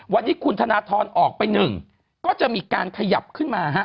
วันนี้ขุมธนธรออกเป็น๑ก็จะมีการขยับขึ้นมา